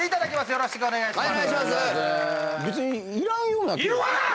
よろしくお願いします。